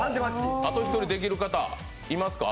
あと１人できる方、いますか？